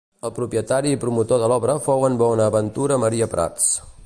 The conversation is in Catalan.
El propietari i promotor de l'obra fou en Bonaventura Maria Prats.